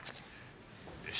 よし。